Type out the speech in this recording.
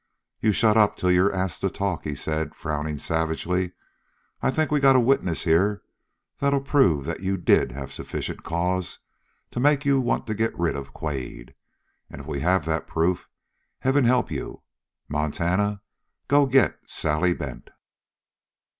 "You shut up till you're asked to talk," he said, frowning savagely. "I think we got a witness here that'll prove that you did have sufficient cause to make you want to get rid of Quade. And, if we have that proof, heaven help you. Montana, go get Sally Bent!"